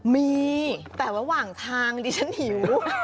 มีแต่ระหว่างทางดิฉันหิว